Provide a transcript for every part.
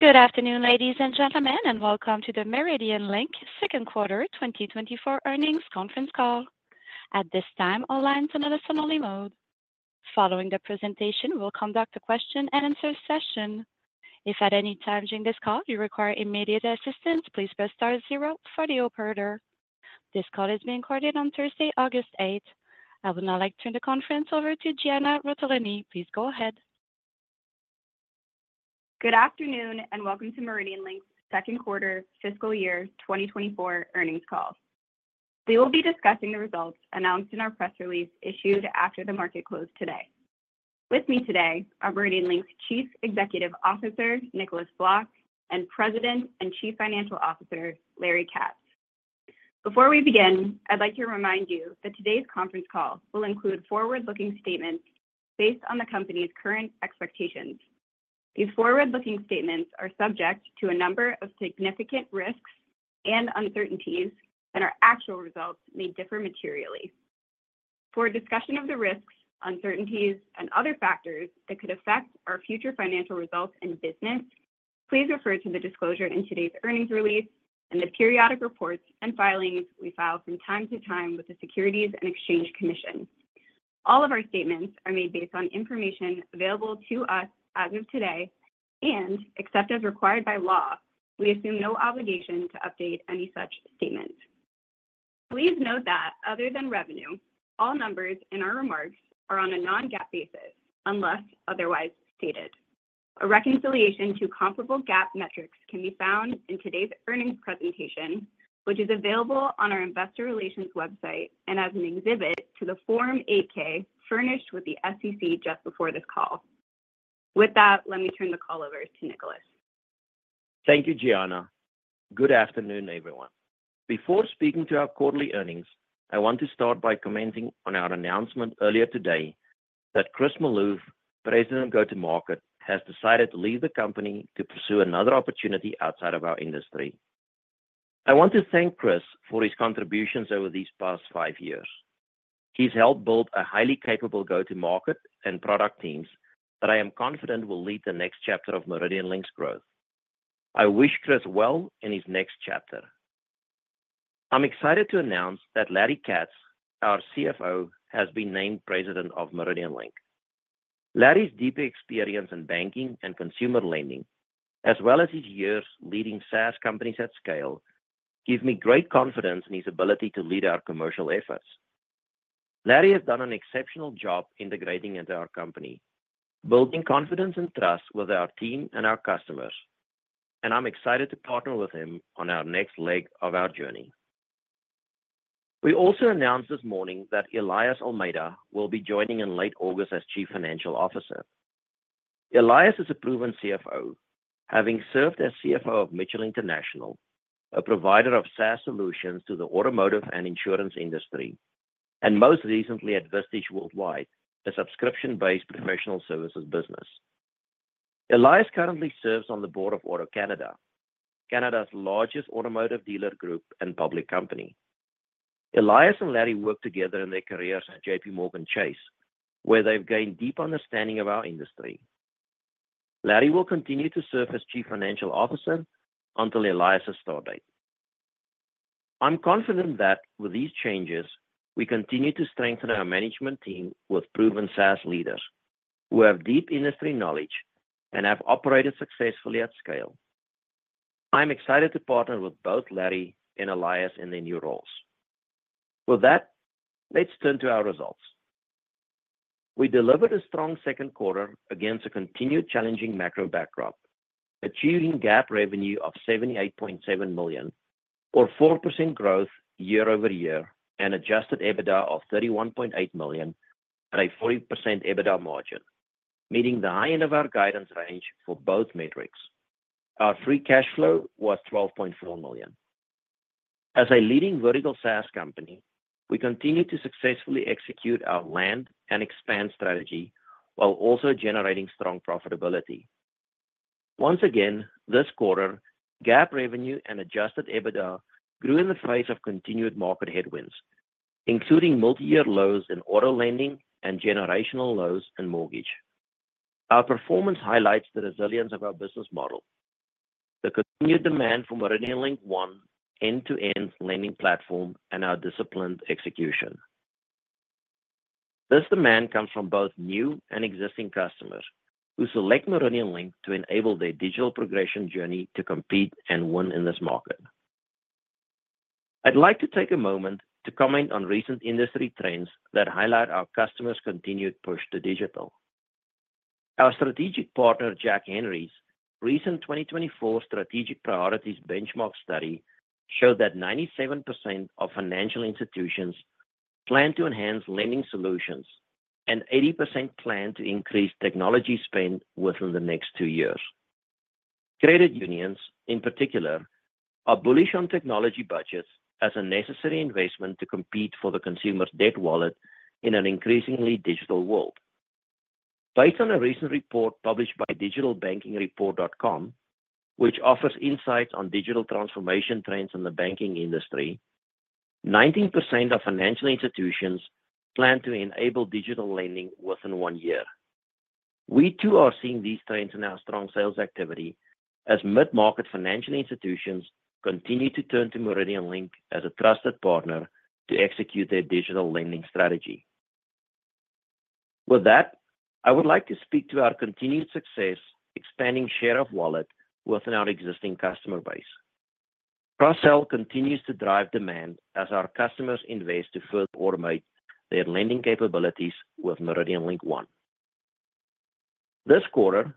Good afternoon, ladies and gentlemen, and welcome to the MeridianLink Second Quarter 2024 Earnings Conference Call. At this time, all lines are in a listen-only mode. Following the presentation, we'll conduct a question-and-answer session. If at any time during this call you require immediate assistance, please press star zero for the operator. This call is being recorded on Thursday, August 8. I would now like to turn the conference over to Gianna Rotoloni. Please go ahead. Good afternoon, and welcome to MeridianLink's Second Quarter Fiscal Year 2024 Earnings Call. We will be discussing the results announced in our press release issued after the market closed today. With me today are MeridianLink's Chief Executive Officer, Nicolaas Vlok, and President and Chief Financial Officer, Larry Katz. Before we begin, I'd like to remind you that today's conference call will include forward-looking statements based on the company's current expectations. These forward-looking statements are subject to a number of significant risks and uncertainties, and our actual results may differ materially. For a discussion of the risks, uncertainties, and other factors that could affect our future financial results and business, please refer to the disclosure in today's earnings release and the periodic reports and filings we file from time to time with the Securities and Exchange Commission. All of our statements are made based on information available to us as of today, and except as required by law, we assume no obligation to update any such statement. Please note that other than revenue, all numbers in our remarks are on a non-GAAP basis, unless otherwise stated. A reconciliation to comparable GAAP metrics can be found in today's earnings presentation, which is available on our investor relations website and as an exhibit to the Form 8-K furnished with the SEC just before this call. With that, let me turn the call over to Nicolaas. Thank you, Gianna. Good afternoon, everyone. Before speaking to our quarterly earnings, I want to start by commenting on our announcement earlier today that Chris Maloof, President of Go-to-Market, has decided to leave the company to pursue another opportunity outside of our industry. I want to thank Chris for his contributions over these past five years. He's helped build a highly capable go-to-market and product teams that I am confident will lead the next chapter of MeridianLink's growth. I wish Chris well in his next chapter. I'm excited to announce that Larry Katz, our CFO, has been named President of MeridianLink. Larry's deep experience in banking and consumer lending, as well as his years leading SaaS companies at scale, give me great confidence in his ability to lead our commercial efforts. Larry has done an exceptional job integrating into our company, building confidence and trust with our team and our customers, and I'm excited to partner with him on our next leg of our journey. We also announced this morning that Elias Olmeta will be joining in late August as Chief Financial Officer. Elias is a proven CFO, having served as CFO of Mitchell International, a provider of SaaS solutions to the automotive and insurance industry, and most recently at Vistage Worldwide, a subscription-based professional services business. Elias currently serves on the board of AutoCanada, Canada's largest automotive dealer group and public company. Elias and Larry worked together in their careers at JPMorgan Chase, where they've gained deep understanding of our industry. Larry will continue to serve as Chief Financial Officer until Elias's start date. I'm confident that with these changes, we continue to strengthen our management team with proven SaaS leaders who have deep industry knowledge and have operated successfully at scale. I'm excited to partner with both Larry and Elias in their new roles. With that, let's turn to our results. We delivered a strong second quarter against a continued challenging macro backdrop, achieving GAAP revenue of $78.7 million, or 4% growth year-over-year, and adjusted EBITDA of $31.8 million at a 40% EBITDA margin, meeting the high end of our guidance range for both metrics. Our free cash flow was $12.4 million. As a leading vertical SaaS company, we continue to successfully execute our land and expand strategy while also generating strong profitability. Once again, this quarter, GAAP revenue and adjusted EBITDA grew in the face of continued market headwinds, including multi-year lows in auto lending and generational lows in mortgage. Our performance highlights the resilience of our business model, the continued demand for MeridianLink One end-to-end lending platform, and our disciplined execution. This demand comes from both new and existing customers who select MeridianLink to enable their digital progression journey to compete and win in this market. I'd like to take a moment to comment on recent industry trends that highlight our customers' continued push to digital. Our strategic partner, Jack Henry's recent 2024 Strategic Priorities Benchmark Study showed that 97% of financial institutions plan to enhance lending solutions, and 80% plan to increase technology spend within the next 2 years. Credit unions, in particular, are bullish on technology budgets as a necessary investment to compete for the consumer's debt wallet in an increasingly digital world. Based on a recent report published by DigitalBankingReport.com, which offers insights on digital transformation trends in the banking industry. 19% of financial institutions plan to enable digital lending within one year. We, too, are seeing these trends in our strong sales activity as mid-market financial institutions continue to turn to MeridianLink as a trusted partner to execute their digital lending strategy. With that, I would like to speak to our continued success expanding share of wallet within our existing customer base. Cross-sell continues to drive demand as our customers invest to further automate their lending capabilities with MeridianLink One. This quarter,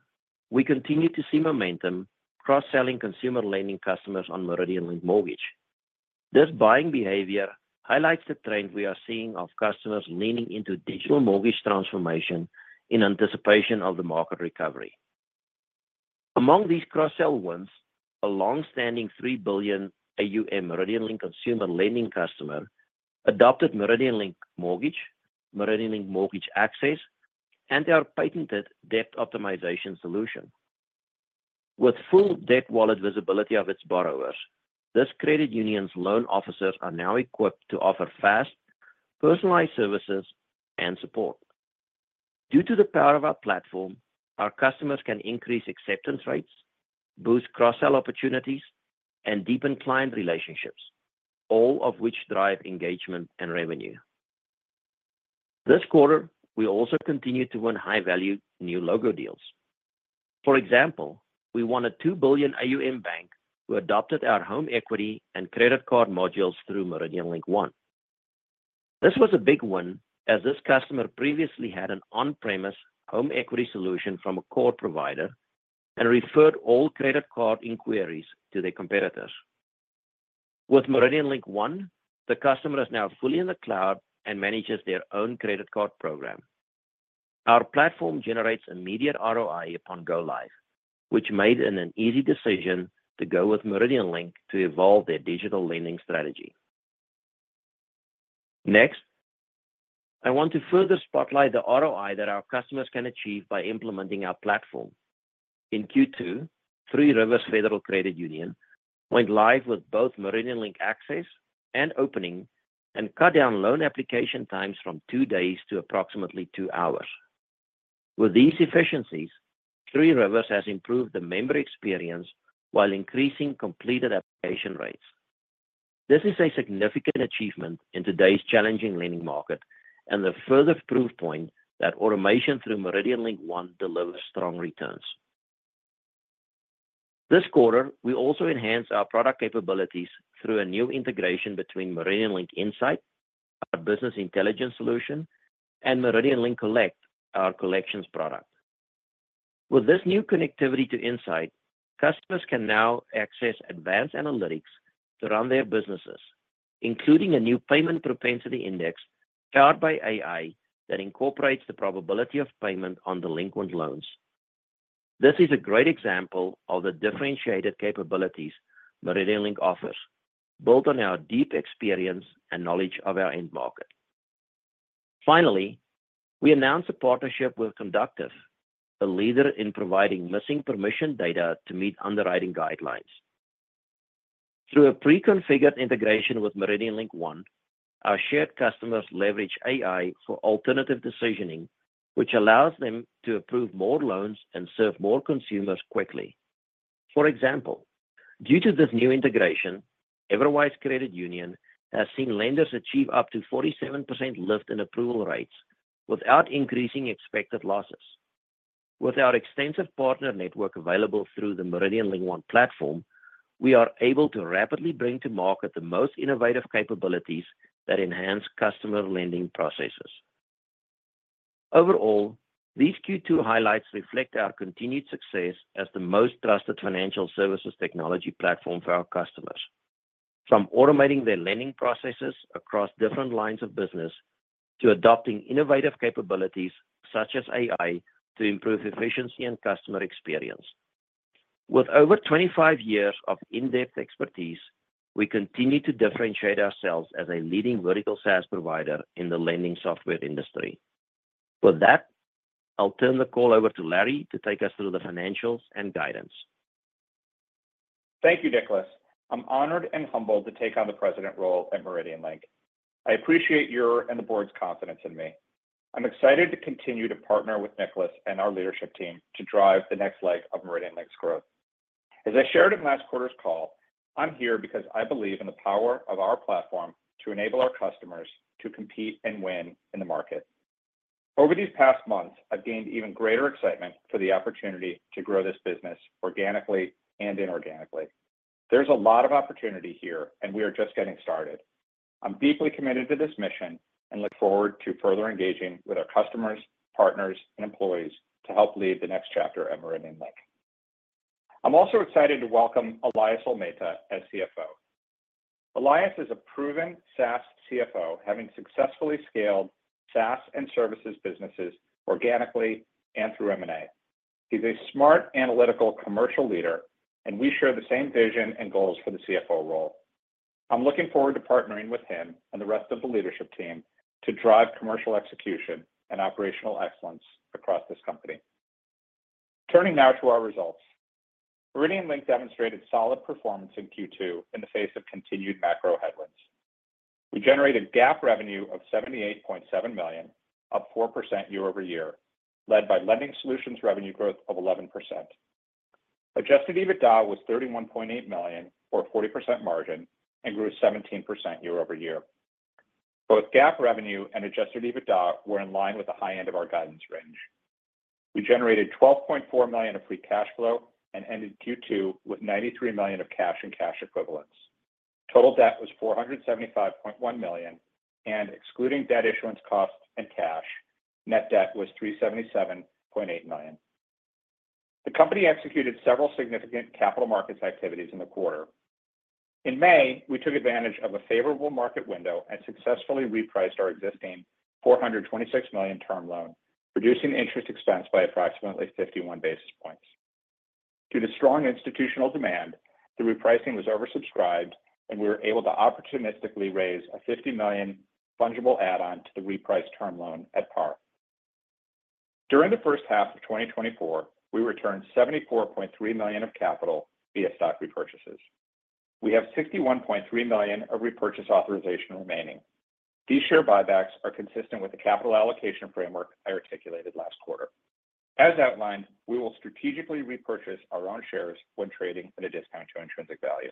we continue to see momentum cross-selling consumer lending customers on MeridianLink Mortgage. This buying behavior highlights the trend we are seeing of customers leaning into digital mortgage transformation in anticipation of the market recovery. Among these cross-sell wins, a long-standing $3 billion AUM MeridianLink Consumer Lending customer adopted MeridianLink Mortgage, MeridianLink Mortgage Access, and our patented debt optimization solution. With full Debt Wallet visibility of its borrowers, this credit union's loan officers are now equipped to offer fast, personalized services and support. Due to the power of our platform, our customers can increase acceptance rates, boost cross-sell opportunities, and deepen client relationships, all of which drive engagement and revenue. This quarter, we also continued to win high-value, new logo deals. For example, we won a $2 billion AUM bank who adopted our home equity and credit card modules through MeridianLink One. This was a big win, as this customer previously had an on-premise home equity solution from a core provider and referred all credit card inquiries to their competitors. With MeridianLink One, the customer is now fully in the cloud and manages their own credit card program. Our platform generates immediate ROI upon go live, which made it an easy decision to go with MeridianLink to evolve their digital lending strategy. Next, I want to further spotlight the ROI that our customers can achieve by implementing our platform. In Q2, Three Rivers Federal Credit Union went live with both MeridianLink Access and Opening and cut down loan application times from two days to approximately two hours. With these efficiencies, Three Rivers has improved the member experience while increasing completed application rates. This is a significant achievement in today's challenging lending market and a further proof point that automation through MeridianLink One delivers strong returns. This quarter, we also enhanced our product capabilities through a new integration between MeridianLink Insight, our business intelligence solution, and MeridianLink Collect, our collections product. With this new connectivity to Insight, customers can now access advanced analytics to run their businesses, including a new Payment Propensity Index powered by AI that incorporates the probability of payment on delinquent loans. This is a great example of the differentiated capabilities MeridianLink offers, built on our deep experience and knowledge of our end market. Finally, we announced a partnership with Conductiv, a leader in providing missing permission data to meet underwriting guidelines. Through a pre-configured integration with MeridianLink One, our shared customers leverage AI for alternative decisioning, which allows them to approve more loans and serve more consumers quickly. For example, due to this new integration, Everwise Credit Union has seen lenders achieve up to 47% lift in approval rates without increasing expected losses. With our extensive partner network available through the MeridianLink One platform, we are able to rapidly bring to market the most innovative capabilities that enhance customer lending processes. Overall, these Q2 highlights reflect our continued success as the most trusted financial services technology platform for our customers. From automating their lending processes across different lines of business, to adopting innovative capabilities such as AI to improve efficiency and customer experience. With over 25 years of in-depth expertise, we continue to differentiate ourselves as a leading vertical SaaS provider in the lending software industry. With that, I'll turn the call over to Larry to take us through the financials and guidance. Thank you, Nicolaas. I'm honored and humbled to take on the president role at MeridianLink. I appreciate your and the board's confidence in me. I'm excited to continue to partner with Nicolaas and our leadership team to drive the next leg of MeridianLink's growth. As I shared in last quarter's call, I'm here because I believe in the power of our platform to enable our customers to compete and win in the market. Over these past months, I've gained even greater excitement for the opportunity to grow this business organically and inorganically. There's a lot of opportunity here, and we are just getting started. I'm deeply committed to this mission and look forward to further engaging with our customers, partners, and employees to help lead the next chapter at MeridianLink. I'm also excited to welcome Elias Olmeta as CFO. Elias is a proven SaaS CFO, having successfully scaled SaaS and services businesses organically and through M&A. He's a smart, analytical, commercial leader, and we share the same vision and goals for the CFO role. I'm looking forward to partnering with him and the rest of the leadership team to drive commercial execution and operational excellence across this company. Turning now to our results. MeridianLink demonstrated solid performance in Q2 in the face of continued macro headwinds. We generated GAAP revenue of $78.7 million, up 4% year-over-year, led by lending solutions revenue growth of 11%. Adjusted EBITDA was $31.8 million, or a 40% margin, and grew 17% year-over-year. Both GAAP revenue and adjusted EBITDA were in line with the high end of our guidance range. We generated $12.4 million of free cash flow and ended Q2 with $93 million of cash and cash equivalents. Total debt was $475.1 million, and excluding debt issuance costs and cash, net debt was $377.8 million. The company executed several significant capital markets activities in the quarter. In May, we took advantage of a favorable market window and successfully repriced our existing $426 million term loan, reducing interest expense by approximately 51 basis points. Due to strong institutional demand, the repricing was oversubscribed, and we were able to opportunistically raise a $50 million fungible add-on to the repriced term loan at par. During the first half of 2024, we returned $74.3 million of capital via stock repurchases. We have $61.3 million of repurchase authorization remaining. These share buybacks are consistent with the capital allocation framework I articulated last quarter. As outlined, we will strategically repurchase our own shares when trading at a discount to intrinsic value.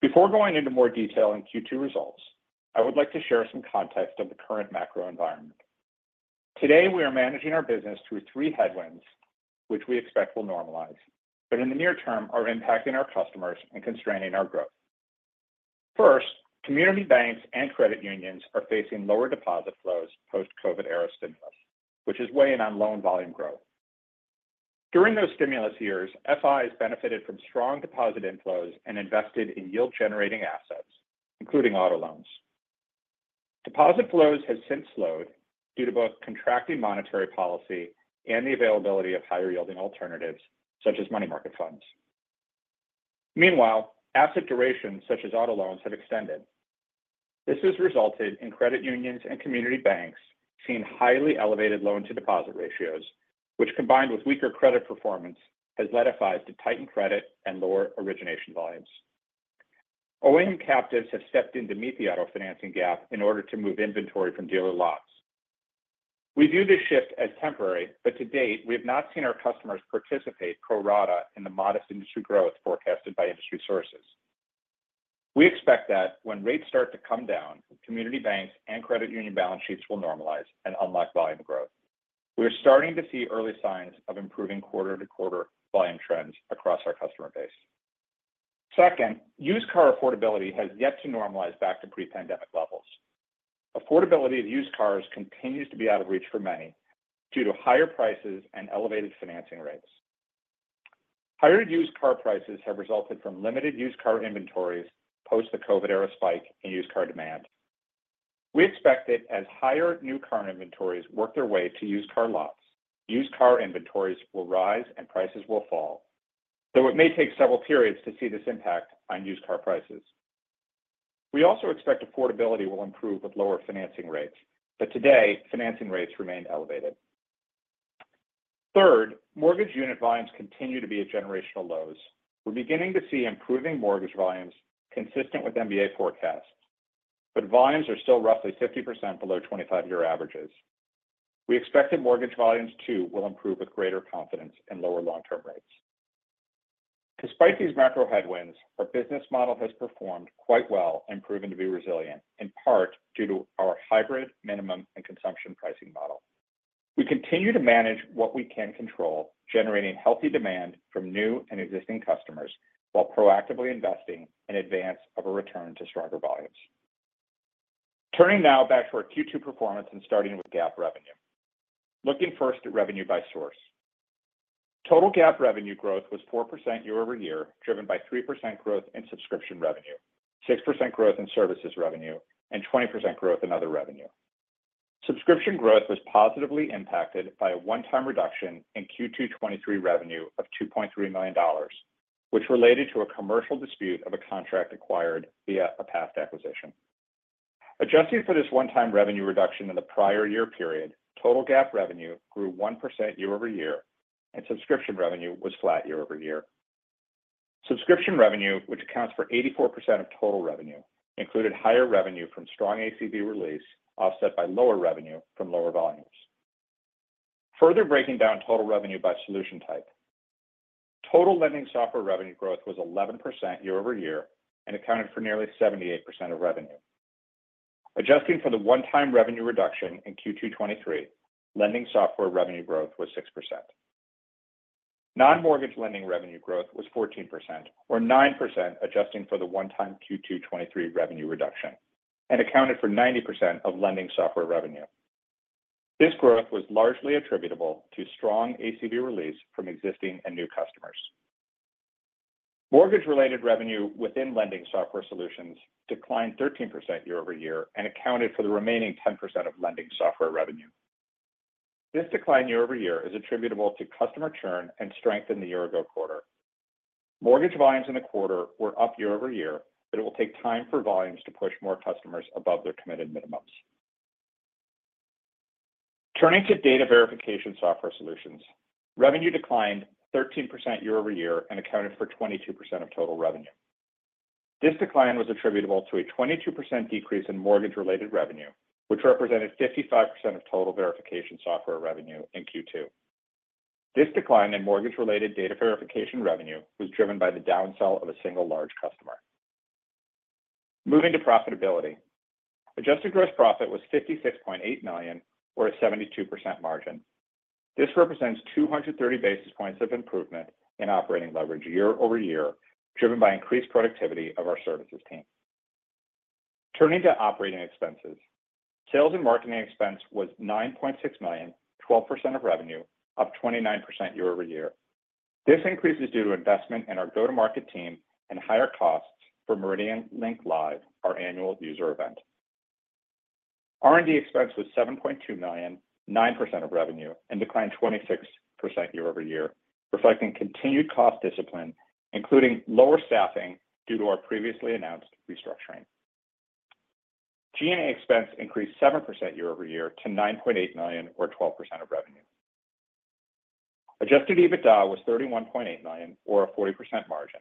Before going into more detail on Q2 results, I would like to share some context of the current macro environment. Today, we are managing our business through three headwinds, which we expect will normalize, but in the near term, are impacting our customers and constraining our growth. First, community banks and credit unions are facing lower deposit flows post-COVID era stimulus, which is weighing on loan volume growth. During those stimulus years, FIs benefited from strong deposit inflows and invested in yield-generating assets, including auto loans. Deposit flows have since slowed due to both contracting monetary policy and the availability of higher-yielding alternatives, such as money market funds. Meanwhile, asset durations, such as auto loans, have extended. This has resulted in credit unions and community banks seeing highly elevated loan-to-deposit ratios, which, combined with weaker credit performance, has led FIs to tighten credit and lower origination volumes. OEM captives have stepped in to meet the auto financing gap in order to move inventory from dealer lots. We view this shift as temporary, but to date, we have not seen our customers participate pro rata in the modest industry growth forecasted by industry sources. We expect that when rates start to come down, community banks and credit union balance sheets will normalize and unlock volume growth. We are starting to see early signs of improving quarter-to-quarter volume trends across our customer base. Second, used car affordability has yet to normalize back to pre-pandemic levels. Affordability of used cars continues to be out of reach for many due to higher prices and elevated financing rates. Higher used car prices have resulted from limited used car inventories post the COVID era spike in used car demand. We expect that as higher new car inventories work their way to used car lots, used car inventories will rise and prices will fall, though it may take several periods to see this impact on used car prices. We also expect affordability will improve with lower financing rates, but today, financing rates remain elevated. Third, mortgage unit volumes continue to be at generational lows. We're beginning to see improving mortgage volumes consistent with MBA forecasts, but volumes are still roughly 50% below 25-year averages. We expect that mortgage volumes, too, will improve with greater confidence and lower long-term rates. Despite these macro headwinds, our business model has performed quite well and proven to be resilient, in part due to our hybrid minimum and consumption pricing model. We continue to manage what we can control, generating healthy demand from new and existing customers while proactively investing in advance of a return to stronger volumes. Turning now back to our Q2 performance and starting with GAAP revenue. Looking first at revenue by source. Total GAAP revenue growth was 4% year-over-year, driven by 3% growth in subscription revenue, 6% growth in services revenue, and 20% growth in other revenue. Subscription growth was positively impacted by a one-time reduction in Q2 2023 revenue of $2.3 million, which related to a commercial dispute of a contract acquired via a past acquisition. Adjusting for this one-time revenue reduction in the prior year period, total GAAP revenue grew 1% year-over-year, and subscription revenue was flat year-over-year. Subscription revenue, which accounts for 84% of total revenue, included higher revenue from strong ACV release, offset by lower revenue from lower volumes. Further breaking down total revenue by solution type. Total lending software revenue growth was 11% year-over-year and accounted for nearly 78% of revenue. Adjusting for the one-time revenue reduction in Q2 2023, lending software revenue growth was 6%. Non-mortgage lending revenue growth was 14%, or 9%, adjusting for the one-time Q2 2023 revenue reduction, and accounted for 90% of lending software revenue. This growth was largely attributable to strong ACV release from existing and new customers. Mortgage-related revenue within lending software solutions declined 13% year-over-year and accounted for the remaining 10% of lending software revenue. This decline year-over-year is attributable to customer churn and strength in the year-ago quarter.... Mortgage volumes in the quarter were up year-over-year, but it will take time for volumes to push more customers above their committed minimums. Turning to data verification software solutions, revenue declined 13% year-over-year and accounted for 22% of total revenue. This decline was attributable to a 22% decrease in mortgage-related revenue, which represented 55% of total verification software revenue in Q2. This decline in mortgage-related data verification revenue was driven by the downsell of a single large customer. Moving to profitability. Adjusted gross profit was $56.8 million, or a 72% margin. This represents 230 basis points of improvement in operating leverage year-over-year, driven by increased productivity of our services team. Turning to operating expenses. Sales and marketing expense was $9.6 million, 12% of revenue, up 29% year-over-year. This increase is due to investment in our go-to-market team and higher costs for MeridianLink Live, our annual user event. R&D expense was $7.2 million, 9% of revenue, and declined 26% year-over-year, reflecting continued cost discipline, including lower staffing due to our previously announced restructuring. G&A expense increased 7% year-over-year to $9.8 million, or 12% of revenue. Adjusted EBITDA was $31.8 million, or a 40% margin.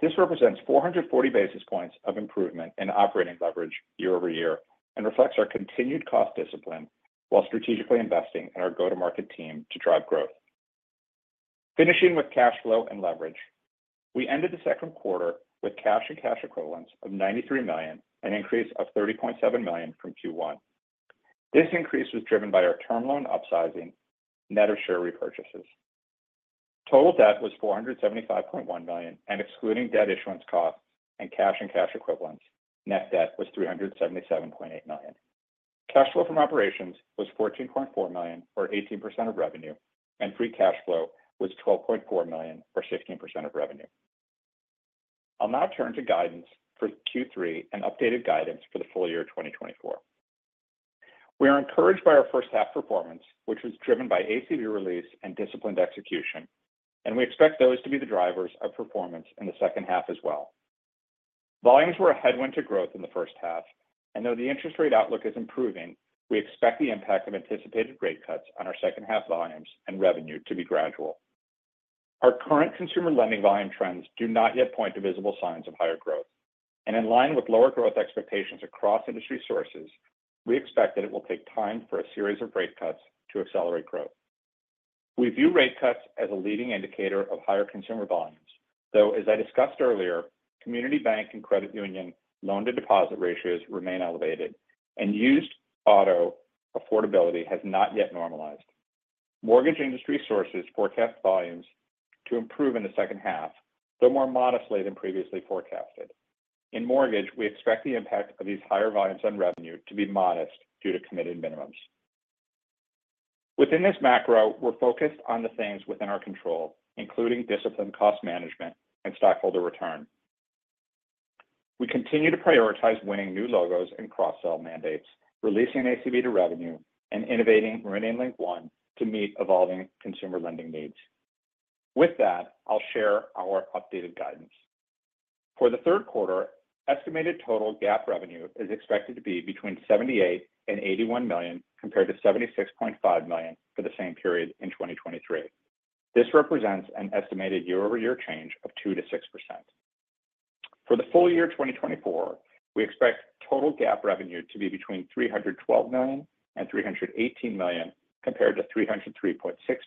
This represents 440 basis points of improvement in operating leverage year-over-year, and reflects our continued cost discipline while strategically investing in our go-to-market team to drive growth. Finishing with cash flow and leverage, we ended the second quarter with cash and cash equivalents of $93 million, an increase of $30.7 million from Q1. This increase was driven by our term loan upsizing, net of share repurchases. Total debt was $475.1 million, and excluding debt issuance costs and cash and cash equivalents, net debt was $377.8 million. Cash flow from operations was $14.4 million, or 18% of revenue, and free cash flow was $12.4 million, or 16% of revenue. I'll now turn to guidance for Q3 and updated guidance for the full year 2024. We are encouraged by our first half performance, which was driven by ACV release and disciplined execution, and we expect those to be the drivers of performance in the second half as well. Volumes were a headwind to growth in the first half, and though the interest rate outlook is improving, we expect the impact of anticipated rate cuts on our second half volumes and revenue to be gradual. Our current consumer lending volume trends do not yet point to visible signs of higher growth, and in line with lower growth expectations across industry sources, we expect that it will take time for a series of rate cuts to accelerate growth. We view rate cuts as a leading indicator of higher consumer volumes, though, as I discussed earlier, community bank and credit union loan-to-deposit ratios remain elevated and used auto affordability has not yet normalized. Mortgage industry sources forecast volumes to improve in the second half, though more modestly than previously forecasted. In mortgage, we expect the impact of these higher volumes on revenue to be modest due to committed minimums. Within this macro, we're focused on the things within our control, including disciplined cost management and stakeholder return. We continue to prioritize winning new logos and cross-sell mandates, releasing ACV to revenue, and innovating MeridianLink One to meet evolving consumer lending needs. With that, I'll share our updated guidance. For the third quarter, estimated total GAAP revenue is expected to be between $78 million and $81 million, compared to $76.5 million for the same period in 2023. This represents an estimated year-over-year change of 2%-6%. For the full year 2024, we expect total GAAP revenue to be between $312 million and $318 million, compared to $303.6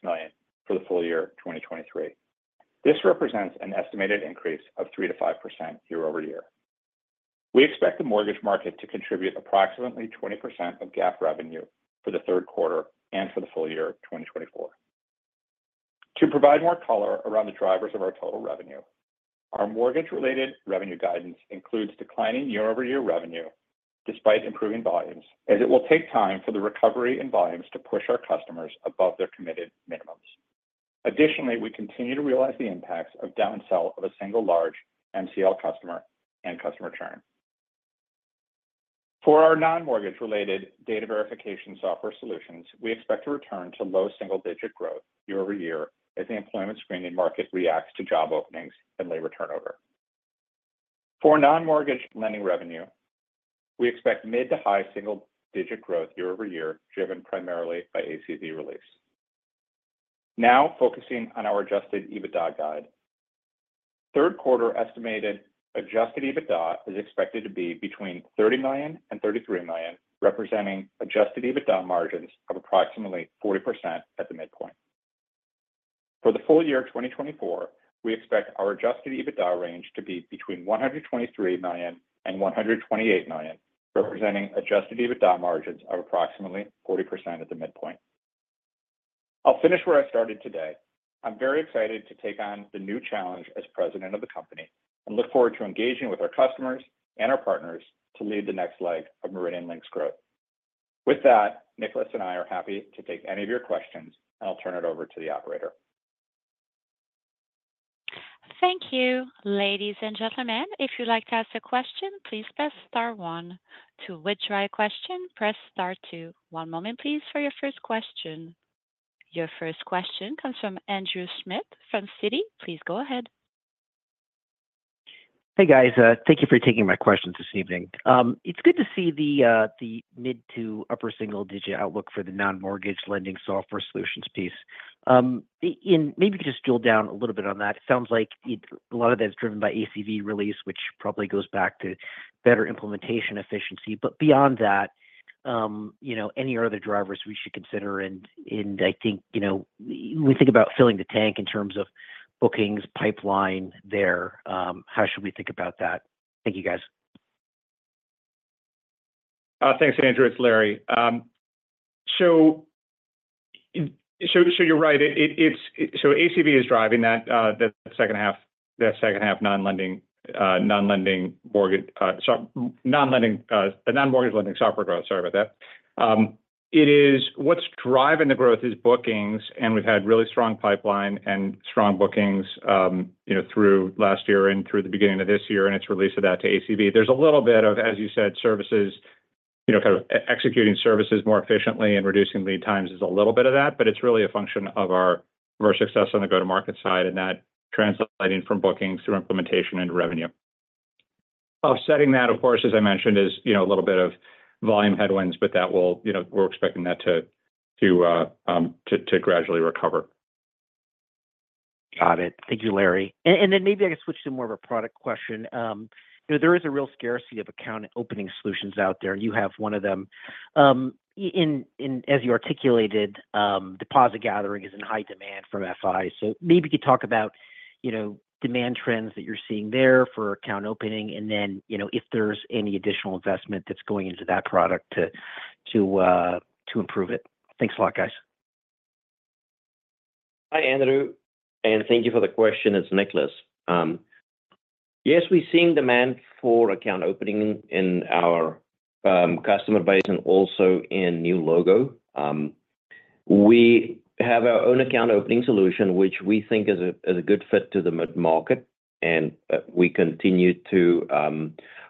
million for the full year 2023. This represents an estimated increase of 3%-5% year-over-year. We expect the mortgage market to contribute approximately 20% of GAAP revenue for the third quarter and for the full year 2024. To provide more color around the drivers of our total revenue, our mortgage-related revenue guidance includes declining year-over-year revenue despite improving volumes, as it will take time for the recovery in volumes to push our customers above their committed minimums. Additionally, we continue to realize the impacts of downsell of a single large MCL customer and customer churn. For our non-mortgage-related data verification software solutions, we expect to return to low single-digit growth year-over-year as the employment screening market reacts to job openings and labor turnover. For non-mortgage lending revenue, we expect mid to high single-digit growth year-over-year, driven primarily by ACV release. Now focusing on our Adjusted EBITDA guide. Third quarter estimated adjusted EBITDA is expected to be between $30 million and $33 million, representing adjusted EBITDA margins of approximately 40% at the midpoint. For the full year 2024, we expect our adjusted EBITDA range to be between $123 million and $128 million, representing adjusted EBITDA margins of approximately 40% at the midpoint. I'll finish where I started today. I'm very excited to take on the new challenge as president of the company, and look forward to engaging with our customers and our partners to lead the next leg of MeridianLink's growth. With that, Nicolaas and I are happy to take any of your questions, and I'll turn it over to the operator. Thank you. Ladies and gentlemen, if you'd like to ask a question, please press star one. To withdraw your question, press star two. One moment, please, for your first question. ... Your first question comes from Andrew Schmidt from Citi. Please go ahead. Hey, guys. Thank you for taking my questions this evening. It's good to see the mid to upper single digit outlook for the non-mortgage lending software solutions piece. In maybe just drill down a little bit on that. It sounds like it's a lot of that is driven by ACV release, which probably goes back to better implementation efficiency. But beyond that, you know, any other drivers we should consider? And I think, you know, we think about filling the tank in terms of bookings pipeline there, how should we think about that? Thank you, guys. Thanks, Andrew. It's Larry. So you're right. It's so ACV is driving that, the second half, the second half non-lending, non-lending mortgage, sorry, non-lending, the non-mortgage lending software growth. Sorry about that. It is what's driving the growth is bookings, and we've had really strong pipeline and strong bookings, you know, through last year and through the beginning of this year, and it's release of that to ACV. There's a little bit of, as you said, services, you know, kind of executing services more efficiently and reducing lead times is a little bit of that, but it's really a function of our success on the go-to-market side, and that translating from bookings through implementation into revenue. Offsetting that, of course, as I mentioned, is, you know, a little bit of volume headwinds, but that will, you know, we're expecting that to gradually recover. Got it. Thank you, Larry. Then maybe I can switch to more of a product question. You know, there is a real scarcity of account opening solutions out there. You have one of them. In as you articulated, deposit gathering is in high demand from FIs. So maybe you could talk about, you know, demand trends that you're seeing there for account opening, and then, you know, if there's any additional investment that's going into that product to improve it. Thanks a lot, guys. Hi, Andrew, and thank you for the question. It's Nicolaas. Yes, we've seen demand for account opening in our customer base and also in new logo. We have our own account opening solution, which we think is a good fit to the mid-market, and we continue to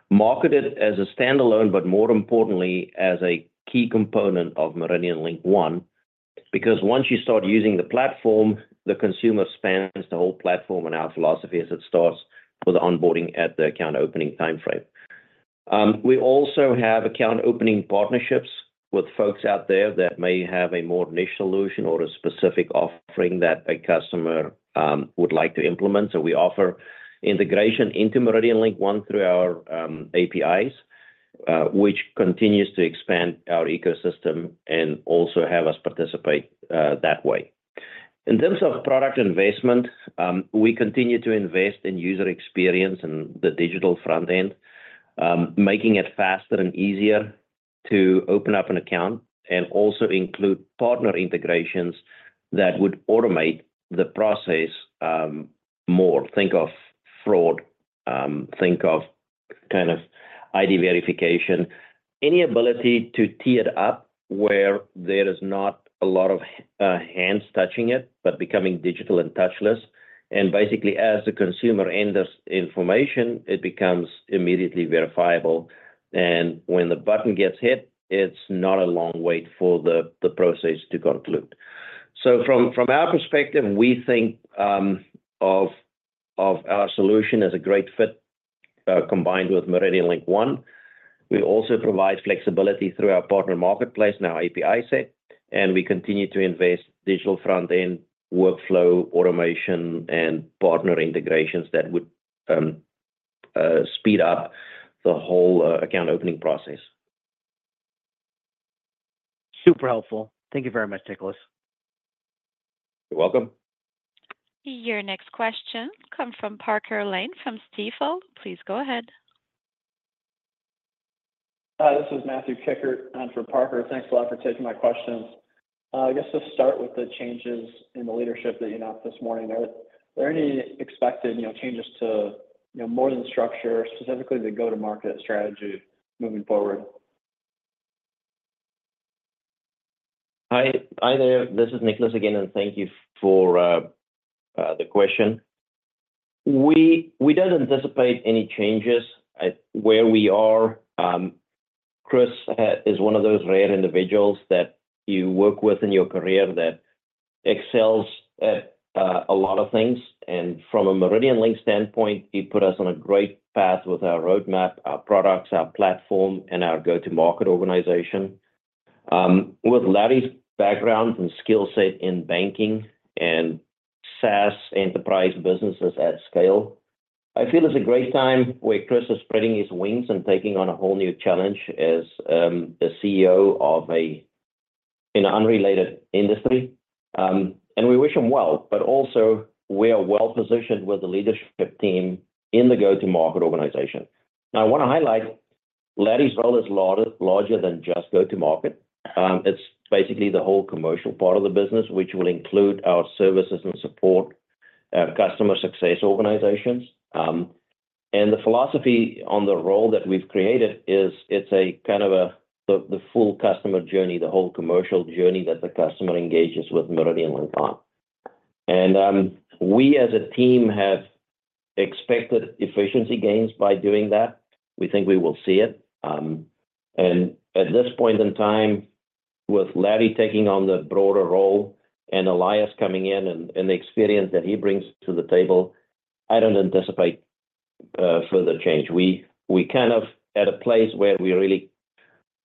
market it as a standalone, but more importantly, as a key component of MeridianLink One, because once you start using the platform, the consumer spans the whole platform, and our philosophy is it starts with the onboarding at the account opening timeframe. We also have account opening partnerships with folks out there that may have a more niche solution or a specific offering that a customer would like to implement. So we offer integration into MeridianLink One through our APIs, which continues to expand our ecosystem and also have us participate that way. In terms of product investment, we continue to invest in user experience and the digital front end, making it faster and easier to open up an account, and also include partner integrations that would automate the process, more. Think of fraud, think of kind of ID verification, any ability to tier it up where there is not a lot of hands touching it, but becoming digital and touchless. And basically, as the consumer enters information, it becomes immediately verifiable, and when the button gets hit, it's not a long wait for the process to conclude. So from our perspective, we think of our solution as a great fit combined with MeridianLink One. We also provide flexibility through our partner marketplace and our API set, and we continue to invest digital front-end workflow, automation, and partner integrations that would speed up the whole account opening process. Super helpful. Thank you very much, Nicolaas. You're welcome. Your next question comes from Parker Lane, from Stifel. Please go ahead. Hi, this is Matthew Kikkert in for Parker. Thanks a lot for taking my questions. I guess just start with the changes in the leadership that you announced this morning. Are there any expected, you know, changes to, you know, more than structure, specifically the go-to-market strategy moving forward? Hi, hi there. This is Nicolaas again, and thank you for the question. We, we don't anticipate any changes at where we are. Chris is one of those rare individuals that you work with in your career that excels at a lot of things, and from a MeridianLink standpoint, he put us on a great path with our roadmap, our products, our platform, and our go-to-market organization. With Larry's background and skill set in banking and SaaS enterprise businesses at scale, I feel it's a great time where Chris is spreading his wings and taking on a whole new challenge as the CEO of a in an unrelated industry. And we wish him well, but also we are well-positioned with the leadership team in the go-to-market organization. I want to highlight, Larry's role is larger, larger than just go-to-market. It's basically the whole commercial part of the business, which will include our services and support, our customer success organizations. And the philosophy on the role that we've created is it's a kind of the full customer journey, the whole commercial journey that the customer engages with MeridianLink One. We as a team have expected efficiency gains by doing that. We think we will see it. And at this point in time, with Larry taking on the broader role and Elias coming in and the experience that he brings to the table, I don't anticipate further change. We kind of at a place where we really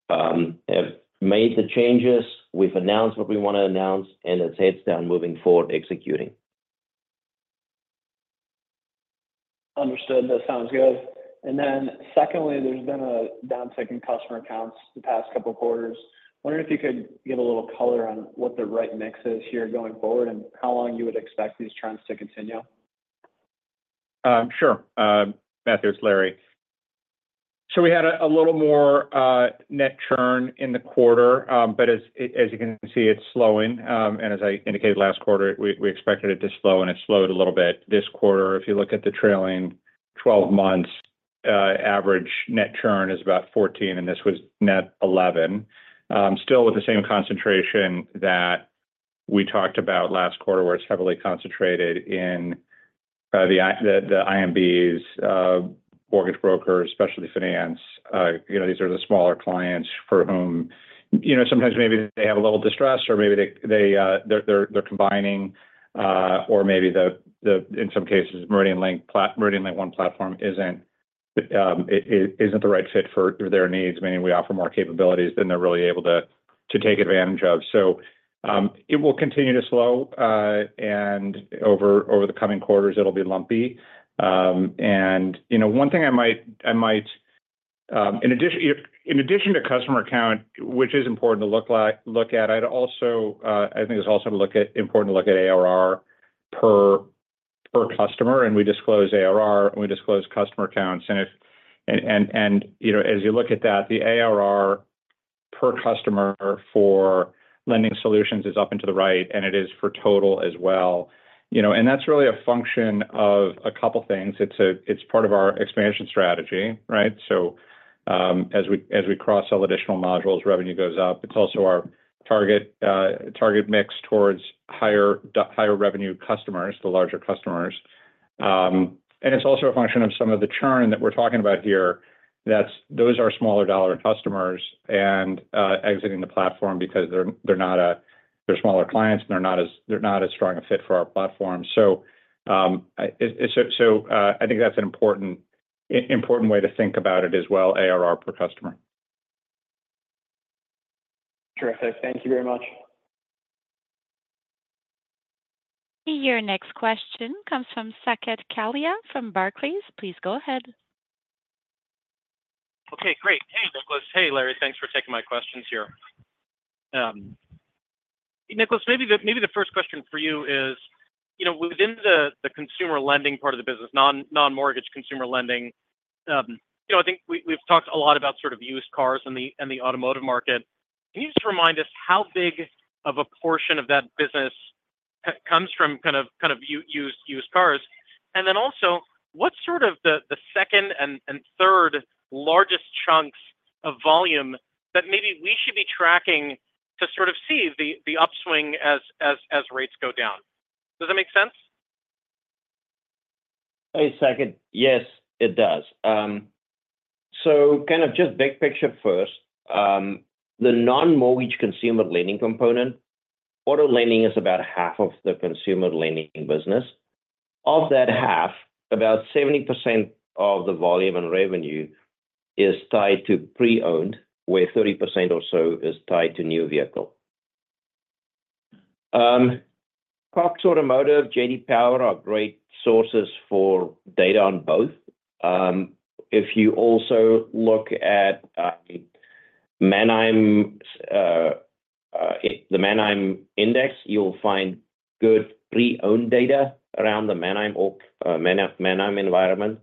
have made the changes. We've announced what we want to announce, and it's heads down, moving forward, executing. Understood. That sounds good. And then secondly, there's been a downtick in customer accounts the past couple of quarters. I wonder if you could give a little color on what the right mix is here going forward, and how long you would expect these trends to continue? Sure. Matthew, it's Larry. So we had a little more net churn in the quarter. As you can see, it's slowing. As I indicated last quarter, we expected it to slow, and it slowed a little bit this quarter. If you look at the trailing twelve months, average net churn is about 14, and this was net 11. Still with the same concentration that we talked about last quarter, where it's heavily concentrated in the IMBs, mortgage brokers, specialty finance. You know, these are the smaller clients for whom, you know, sometimes maybe they have a level of distress or maybe they, they're combining, or maybe the, the—in some cases, MeridianLink One platform isn't, it isn't the right fit for their needs, meaning we offer more capabilities than they're really able to take advantage of. So, it will continue to slow, and over the coming quarters, it'll be lumpy. And, you know, one thing I might in addition to customer account, which is important to look at, I'd also, I think it's important to look at ARR per customer, and we disclose ARR, and we disclose customer accounts. And if you know, as you look at that, the ARR per customer for lending solutions is up into the right, and it is for total as well. You know, and that's really a function of a couple of things. It's part of our expansion strategy, right? So, as we cross-sell additional modules, revenue goes up. It's also our target mix towards higher revenue customers, the larger customers. And it's also a function of some of the churn that we're talking about here. That's – those are smaller dollar customers and exiting the platform because they're not – they're smaller clients, and they're not as strong a fit for our platform. So, I think that's an important way to think about it as well, ARR per customer. Terrific. Thank you very much. Your next question comes from Saket Kalia from Barclays. Please go ahead. Okay, great. Hey, Nicolaas. Hey, Larry. Thanks for taking my questions here. Nicolaas, maybe the first question for you is, you know, within the consumer lending part of the business, non-mortgage consumer lending, you know, I think we've talked a lot about sort of used cars and the automotive market. Can you just remind us how big of a portion of that business comes from kind of used cars? And then also, what's the second and third largest chunks of volume that maybe we should be tracking to sort of see the upswing as rates go down? Does that make sense? Hey, Saket. Yes, it does. So kind of just big picture first. The non-mortgage consumer lending component, auto lending is about half of the consumer lending business. Of that half, about 70% of the volume and revenue is tied to pre-owned, where 30% or so is tied to new vehicle. Cox Automotive, J.D. Power are great sources for data on both. If you also look at Manheim, the Manheim index, you'll find good pre-owned data around the Manheim or Manheim environment.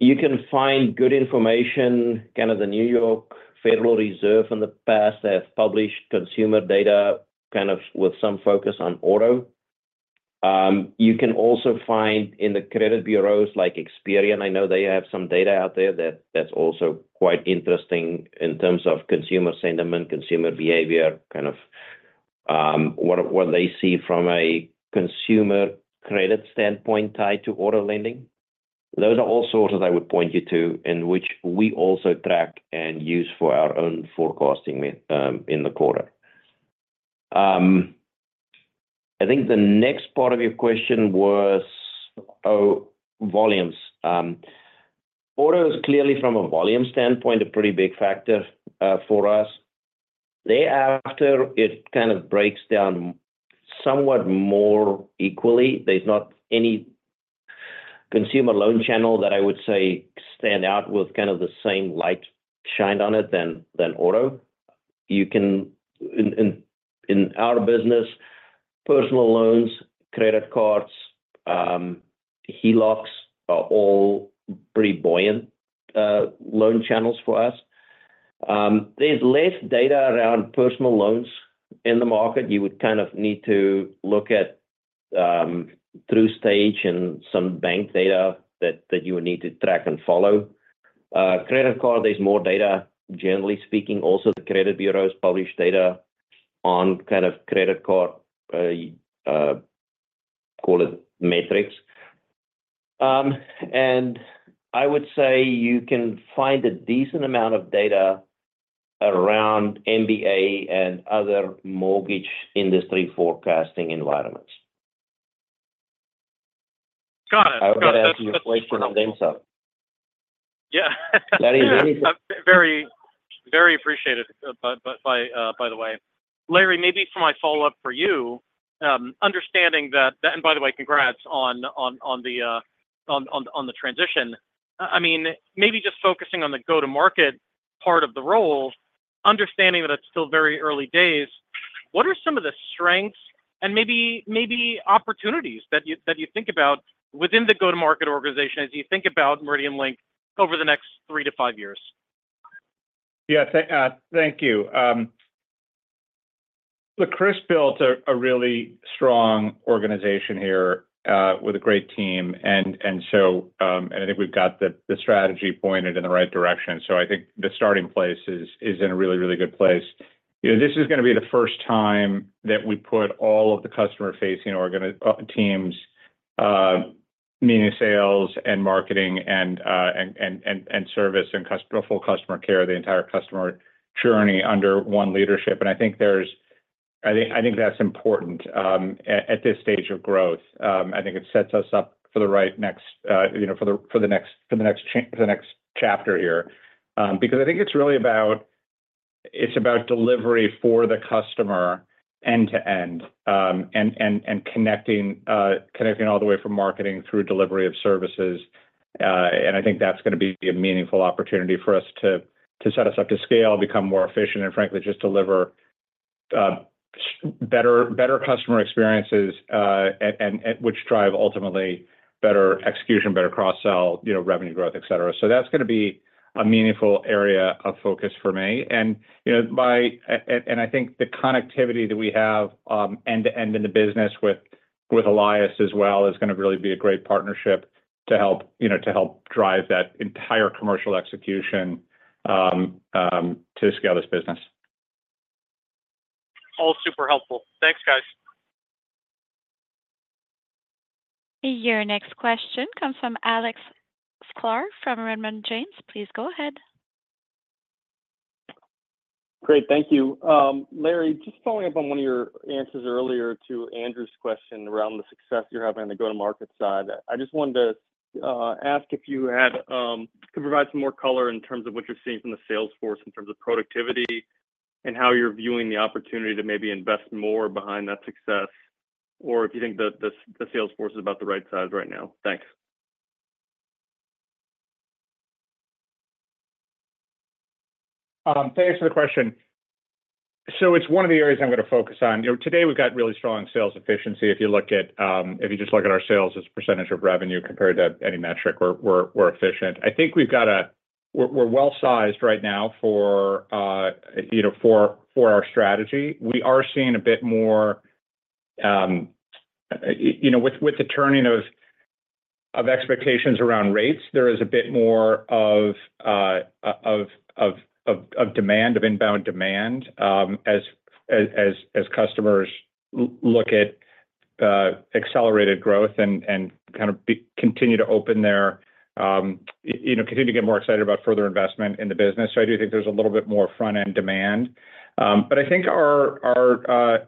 You can find good information, kind of the New York Federal Reserve in the past, they have published consumer data, kind of with some focus on auto. You can also find in the credit bureaus like Experian, I know they have some data out there that, that's also quite interesting in terms of consumer sentiment, consumer behavior, kind of, what they see from a consumer credit standpoint tied to auto lending. Those are all sources I would point you to, in which we also track and use for our own forecasting with, in the quarter. I think the next part of your question was, oh, volumes. Auto is clearly, from a volume standpoint, a pretty big factor, for us. Thereafter, it kind of breaks down somewhat more equally. There's not any consumer loan channel that I would say stand out with kind of the same light shined on it than auto. You can... In our business, personal loans, credit cards, HELOCs are all pretty buoyant loan channels for us. There's less data around personal loans in the market. You would kind of need to look at TruStage and some bank data that you would need to track and follow. Credit card, there's more data, generally speaking. Also, the credit bureaus publish data on kind of credit card call it metrics. And I would say you can find a decent amount of data around MBA and other mortgage industry forecasting environments. Got it. I would add to your question on them, so. Yeah. Larry, anything- Very appreciated, but by the way. Larry, maybe for my follow-up for you, understanding that—and by the way, congrats on the transition. I mean, maybe just focusing on the go-to-market part of the role, understanding that it's still very early days, what are some of the strengths and maybe opportunities that you think about within the go-to-market organization as you think about MeridianLink over the next three to five years? Yeah. Thank you. Look, Chris built a really strong organization here with a great team, and so. And I think we've got the strategy pointed in the right direction. So I think the starting place is in a really, really good place. You know, this is gonna be the first time that we put all of the customer-facing teams, meaning sales and marketing and service and customer full customer care, the entire customer journey under one leadership. And I think that's important at this stage of growth. I think it sets us up for the right next, you know, for the next chapter here. Because I think it's really about delivery for the customer end to end, and connecting all the way from marketing through delivery of services. And I think that's gonna be a meaningful opportunity for us to set us up to scale, become more efficient, and frankly, just deliver better customer experiences, which ultimately drive better execution, better cross-sell, you know, revenue growth, et cetera. So that's gonna be a meaningful area of focus for me. And you know, I think the connectivity that we have end-to-end in the business with Elias as well is gonna really be a great partnership to help, you know, to help drive that entire commercial execution to scale this business. All super helpful. Thanks, guys. Your next question comes from Alex Sklar from Raymond James. Please go ahead. Great. Thank you. Larry, just following up on one of your answers earlier to Andrew's question around the success you're having on the go-to-market side. I just wanted to ask if you had could provide some more color in terms of what you're seeing from the sales force in terms of productivity and how you're viewing the opportunity to maybe invest more behind that success, or if you think the sales force is about the right size right now. Thanks. Thanks for the question. So it's one of the areas I'm going to focus on. You know, today we've got really strong sales efficiency. If you just look at our sales as a percentage of revenue compared to any metric, we're efficient. I think we're well-sized right now for, you know, for our strategy. We are seeing a bit more, you know, with the turning of expectations around rates, there is a bit more of demand, of inbound demand, as customers look at accelerated growth and kind of continue to open their, you know, continue to get more excited about further investment in the business. So I do think there's a little bit more front-end demand. But I think our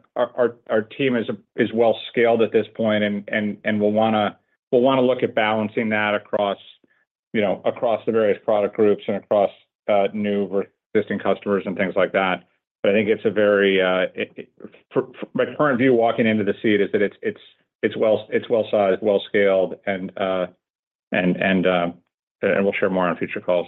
team is well-scaled at this point, and we'll want to look at balancing that across, you know, across the various product groups and across new existing customers and things like that. But I think it's a very... My current view walking into the seat is that it's well-sized, well-scaled, and we'll share more on future calls.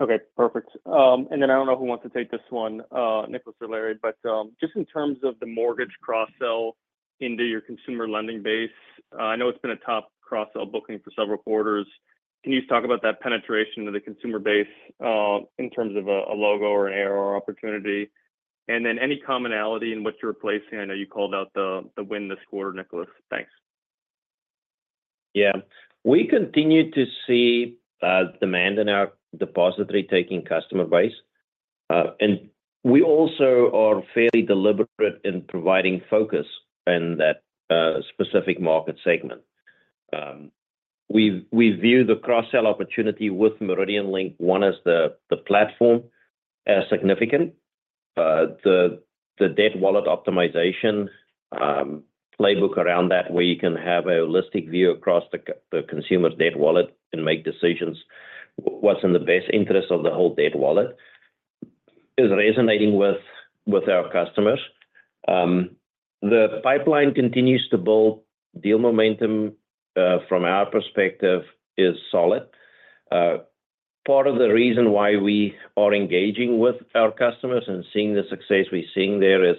Okay, perfect. And then I don't know who wants to take this one, Nicolaas or Larry, but just in terms of the mortgage cross-sell into your consumer lending base, I know it's been a top cross-sell booking for several quarters. Can you talk about that penetration into the consumer base, in terms of a logo or an ARR opportunity? And then any commonality in what you're replacing? I know you called out the win this quarter, Nicolaas. Thanks. Yeah. We continue to see demand in our depository taking customer base, and we also are fairly deliberate in providing focus in that specific market segment. We view the cross-sell opportunity with MeridianLink One as the platform as significant. The Debt Wallet optimization playbook around that, where you can have a holistic view across the consumer's Debt Wallet and make decisions, what's in the best interest of the whole Debt Wallet, is resonating with our customers. The pipeline continues to build. Deal momentum from our perspective is solid. Part of the reason why we are engaging with our customers and seeing the success we're seeing there is,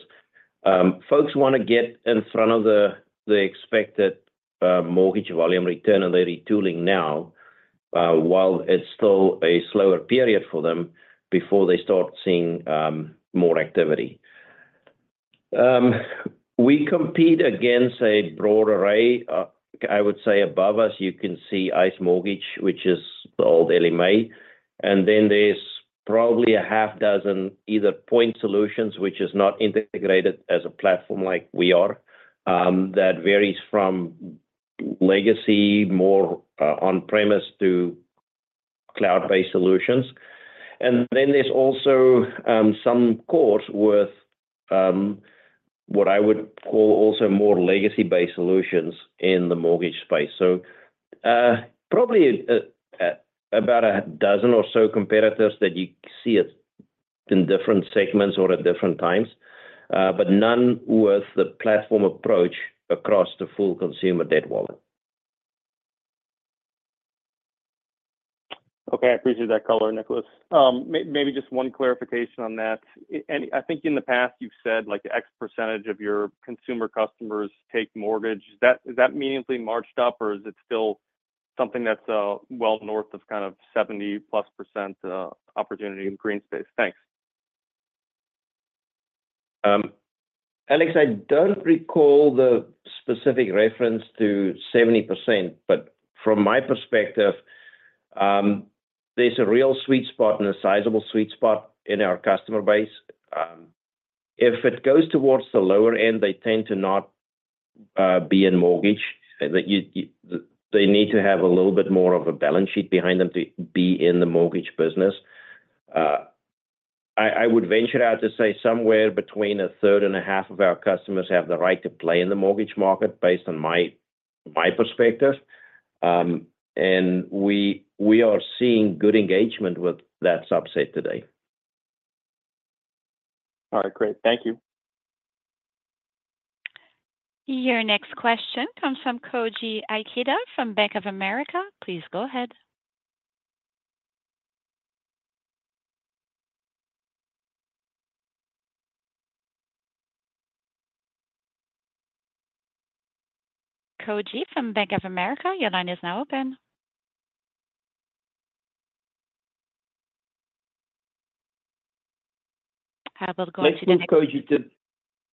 folks want to get in front of the expected mortgage volume return on their retooling now, while it's still a slower period for them before they start seeing more activity. We compete against a broad array. I would say above us, you can see ICE Mortgage, which is the old Ellie Mae, and then there's probably a half dozen, either point solutions, which is not integrated as a platform like we are, that varies from legacy, more on-premise to cloud-based solutions. And then there's also some, of course, with what I would call also more legacy-based solutions in the mortgage space. Probably, about a dozen or so competitors that you see it in different segments or at different times, but none with the platform approach across the full consumer Debt Wallet. Okay, I appreciate that color, Nicolaas. Maybe just one clarification on that. And I think in the past you've said, like, X percentage of your consumer customers take mortgage. Is that, is that meaningfully marched up, or is it still something that's, well, north of kind of 70+% opportunity in green space? Thanks. Alex, I don't recall the specific reference to 70%, but from my perspective, there's a real sweet spot and a sizable sweet spot in our customer base. If it goes towards the lower end, they tend to not be in mortgage. They need to have a little bit more of a balance sheet behind them to be in the mortgage business. I would venture out to say somewhere between a third and a half of our customers have the right to play in the mortgage market, based on my perspective, and we are seeing good engagement with that subset today. All right, great. Thank you. Your next question comes from Koji Ikeda from Bank of America. Please go ahead. Koji from Bank of America, your line is now open. I will go to the next-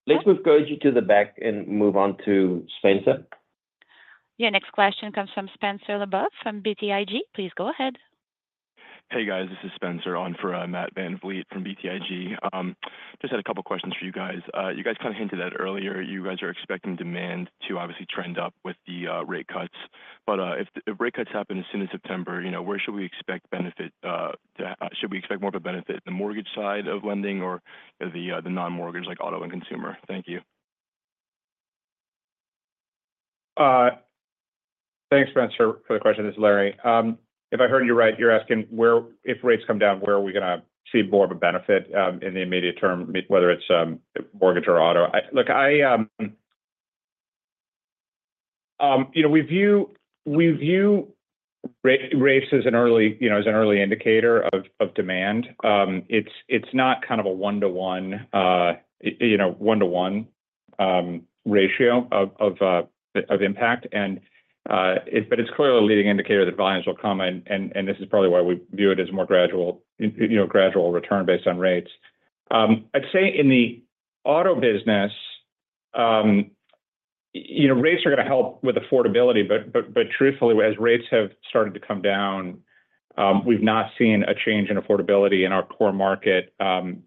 Let's move Koji to the back and move on to Spencer. Your next question comes from Spencer Lebow from BTIG. Please go ahead. Hey, guys, this is Spencer on for Matt VanVliet from BTIG. Just had a couple questions for you guys. You guys kind of hinted at earlier, you guys are expecting demand to obviously trend up with the rate cuts, but if rate cuts happen as soon as September, you know, where should we expect benefit? Should we expect more of a benefit in the mortgage side of lending or the non-mortgage, like auto and consumer? Thank you. Thanks, Spencer, for the question. This is Larry. If I heard you right, you're asking where—if rates come down, where are we gonna see more of a benefit in the immediate term, whether it's mortgage or auto? Look, I, you know, we view, we view rates as an early, you know, as an early indicator of demand. It's not kind of a one-to-one, you know, one-to-one ratio of impact, but it's clearly a leading indicator that volumes will come, and this is probably why we view it as more gradual, you know, gradual return based on rates. I'd say in the auto business, you know, rates are going to help with affordability, but truthfully, as rates have started to come down, we've not seen a change in affordability in our core market,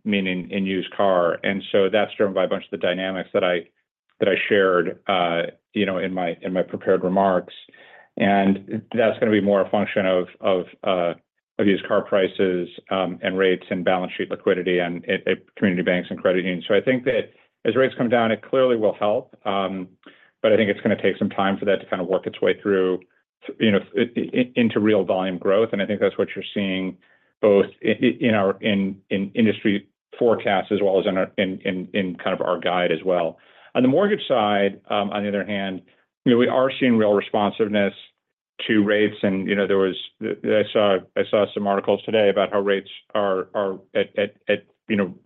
meaning in used car. And so that's driven by a bunch of the dynamics that I shared, you know, in my prepared remarks. And that's going to be more a function of used car prices, and rates and balance sheet liquidity and community banks and credit unions. So I think that as rates come down, it clearly will help, but I think it's going to take some time for that to kind of work its way through, you know, into real volume growth, and I think that's what you're seeing both in our industry forecasts, as well as in our guide as well. On the mortgage side, on the other hand, you know, we are seeing real responsiveness to rates and, you know, there was... I saw, I saw some articles today about how rates are at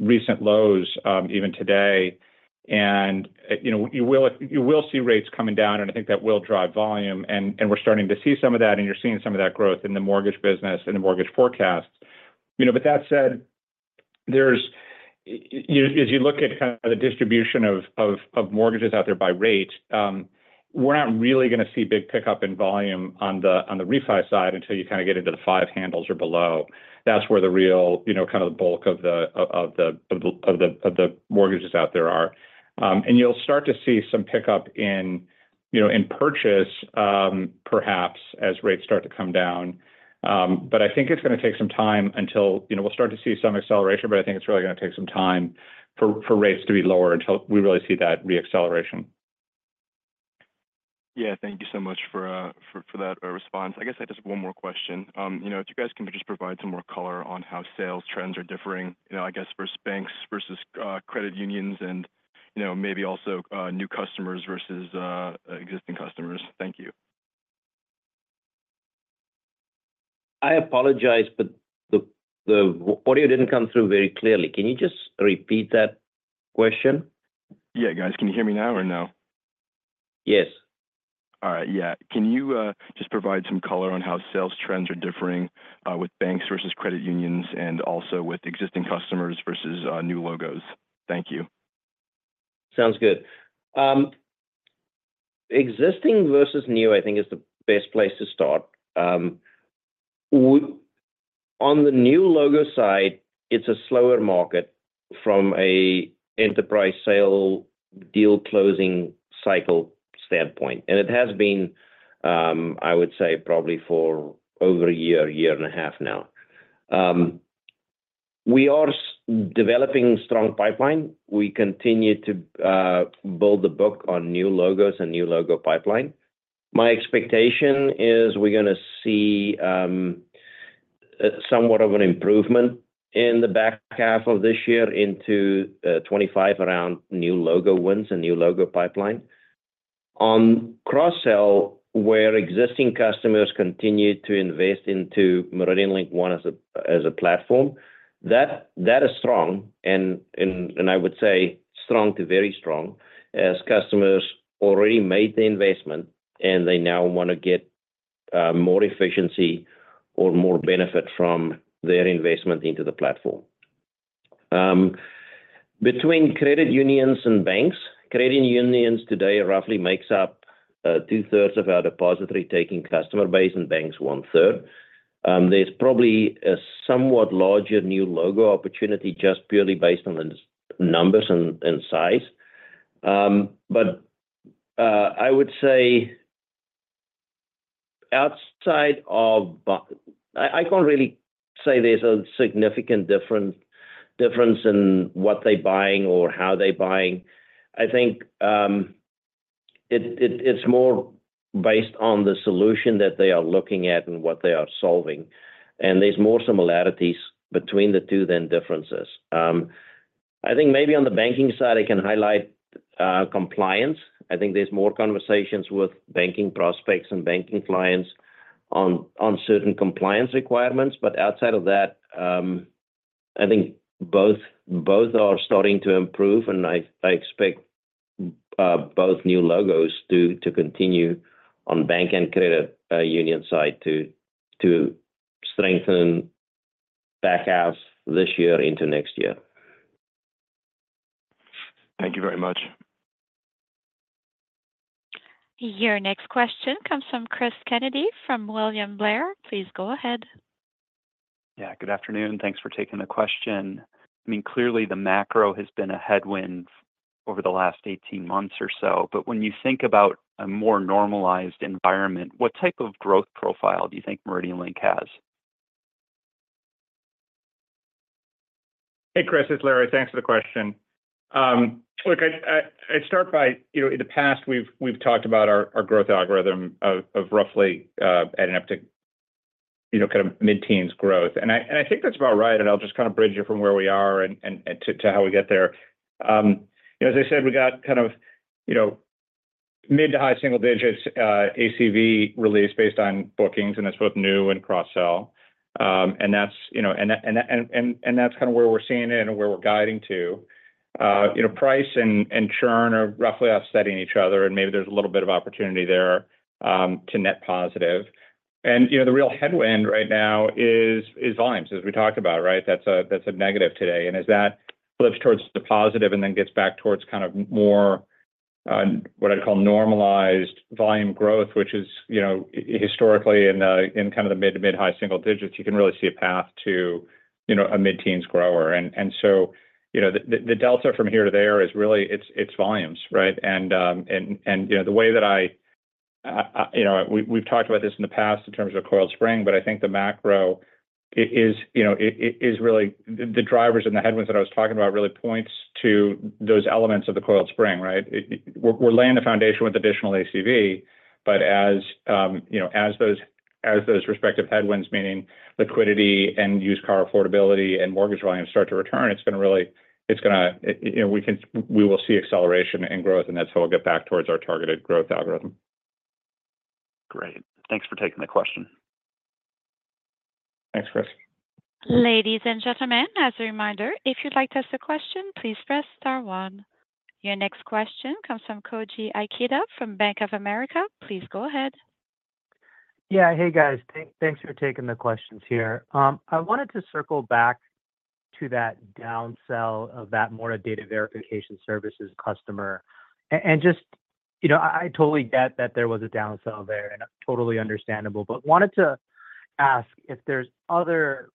recent lows, even today. You know, you will see rates coming down, and I think that will drive volume, and we're starting to see some of that, and you're seeing some of that growth in the mortgage business and the mortgage forecast. You know, but that said, as you look at kind of the distribution of mortgages out there by rate, we're not really going to see big pickup in volume on the refi side until you kind of get into the five handles or below. That's where the real, you know, kind of the bulk of the mortgages out there are. And you'll start to see some pickup in, you know, in purchase, perhaps as rates start to come down. But I think it's going to take some time until, you know, we'll start to see some acceleration, but I think it's really going to take some time for rates to be lower until we really see that re-acceleration. Yeah. Thank you so much for, for that response. I guess I just one more question. You know, if you guys can just provide some more color on how sales trends are differing, you know, I guess, versus banks versus credit unions and, you know, maybe also new customers versus existing customers. Thank you. I apologize, but the audio didn't come through very clearly. Can you just repeat that question? Yeah, guys, can you hear me now or no?... Yes. All right, yeah. Can you just provide some color on how sales trends are differing with banks versus credit unions, and also with existing customers versus new logos? Thank you. Sounds good. Existing versus new, I think, is the best place to start. On the new logo side, it's a slower market from a enterprise sale deal closing cycle standpoint, and it has been, I would say probably for over a year, year and a half now. We are developing strong pipeline. We continue to build the book on new logos and new logo pipeline. My expectation is we're gonna see somewhat of an improvement in the back half of this year into 2025 around new logo wins and new logo pipeline. On cross-sell, where existing customers continue to invest into MeridianLink One as a platform, that is strong and I would say strong to very strong, as customers already made the investment and they now want to get more efficiency or more benefit from their investment into the platform. Between credit unions and banks, credit unions today roughly makes up two-thirds of our depository taking customer base, and banks one-third. There's probably a somewhat larger new logo opportunity just purely based on the size numbers and size. But I would say outside of b... I can't really say there's a significant difference in what they're buying or how they're buying. I think it's more based on the solution that they are looking at and what they are solving, and there's more similarities between the two than differences. I think maybe on the banking side, I can highlight compliance. I think there's more conversations with banking prospects and banking clients on certain compliance requirements. But outside of that, I think both are starting to improve, and I expect both new logos to continue on bank and credit union side to strengthen back half this year into next year. Thank you very much. Your next question comes from Chris Kennedy, from William Blair. Please go ahead. Yeah, good afternoon. Thanks for taking the question. I mean, clearly the macro has been a headwind over the last 18 months or so, but when you think about a more normalized environment, what type of growth profile do you think MeridianLink has? Hey, Chris, it's Larry. Thanks for the question. Look, I'd start by... You know, in the past, we've talked about our growth algorithm of roughly adding up to, you know, kind of mid-teens growth. And I think that's about right, and I'll just kind of bridge it from where we are and to how we get there. You know, as I said, we got kind of, you know, mid- to high single digits ACV release based on bookings, and that's both new and cross-sell. And that's kind of where we're seeing it and where we're guiding to. You know, price and churn are roughly offsetting each other, and maybe there's a little bit of opportunity there to net positive. And, you know, the real headwind right now is volumes, as we talked about, right? That's a negative today. And as that flips towards the positive and then gets back towards kind of more, what I'd call normalized volume growth, which is, you know, historically in kind of the mid to mid-high single digits, you can really see a path to, you know, a mid-teens grower. And so, you know, the delta from here to there is really it's volumes, right? And, you know, the way that I... You know, we've talked about this in the past in terms of coiled spring, but I think the macro is, you know, it is really the drivers and the headwinds that I was talking about really points to those elements of the coiled spring, right? We're laying the foundation with additional ACV, but as, you know, as those respective headwinds, meaning liquidity and used car affordability and mortgage volumes start to return, it's gonna really, you know, we will see acceleration in growth, and that's how we'll get back towards our targeted growth algorithm. Great. Thanks for taking the question. Thanks, Chris. Ladies and gentlemen, as a reminder, if you'd like to ask a question, please press star one. Your next question comes from Koji Ikeda, from Bank of America. Please go ahead. Yeah. Hey, guys. Thanks for taking the questions here. I wanted to circle back to that downsell of that Mora Data Verification Services customer. And just, you know, I totally get that there was a downsell there, and totally understandable, but wanted to ask if there's other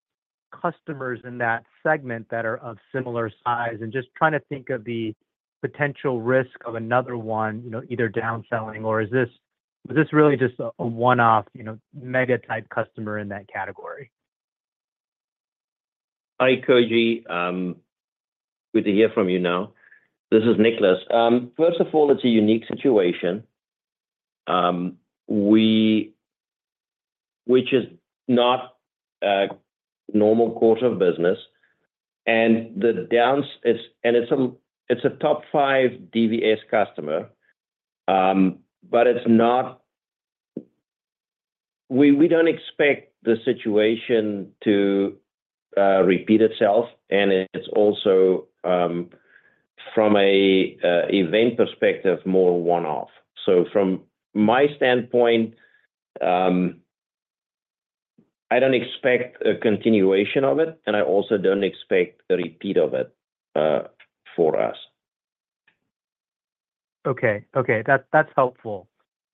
customers in that segment that are of similar size, and just trying to think of the potential risk of another one, you know, either downselling or was this really just a one-off, you know, mega-type customer in that category? Hi, Koji. Good to hear from you now. This is Nicolaas. First of all, it's a unique situation, which is not a normal course of business, and the downside and it's a top five DVS customer, but we don't expect the situation to repeat itself, and it's also from an event perspective, more one-off. So from my standpoint, I don't expect a continuation of it, and I also don't expect a repeat of it for us. Okay. Okay, that's, that's helpful.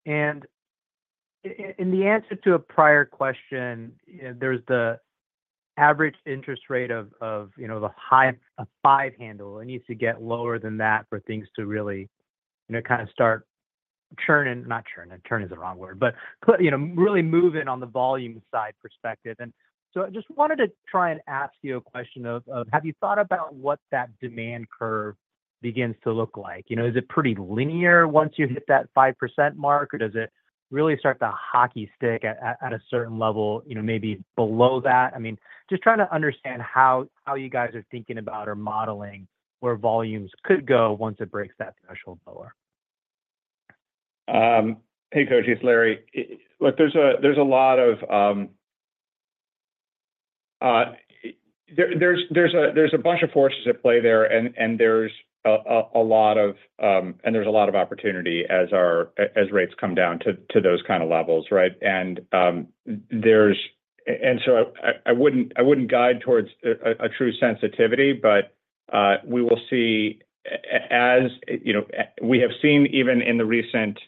And in the answer to a prior question, there's the average interest rate of, you know, the high, a five handle. It needs to get lower than that for things to really, you know, kind of start churning. Not churning. Churning is the wrong word, but, you know, really moving on the volume side perspective. And so I just wanted to try and ask you a question of, have you thought about what that demand curve begins to look like? You know, is it pretty linear once you hit that 5% mark, or does it really start to hockey stick at a certain level, you know, maybe below that? I mean, just trying to understand how you guys are thinking about or modeling where volumes could go once it breaks that threshold lower. Hey, Koji, it's Larry. Look, there's a lot of... There's a bunch of forces at play there, and there's a lot of opportunity as rates come down to those kind of levels, right? And so I wouldn't guide towards a true sensitivity, but we will see as, you know, we have seen even in the recent